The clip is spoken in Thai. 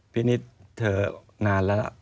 นิดเธอนานแล้ว